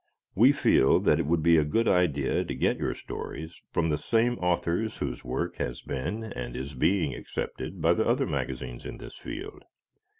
We feel that it would be a good idea to get your stories from the same authors whose work has been and is being accepted by the other magazines in this field.